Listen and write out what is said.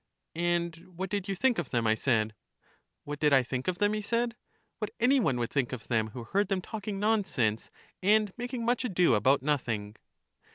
" And what did you think of them? " I said. " What did I think of them," he said; " what any one would think of them who heard them talking nonsense, and making much ado about nothing."